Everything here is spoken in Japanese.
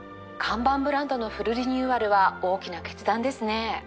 看板ブランドのフルリニューアルは大きな決断ですね。